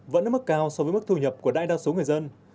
vẫn ở mức cao so với mức thu nhập của đại đa số người dân